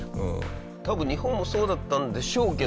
多分日本もそうだったんでしょうけど。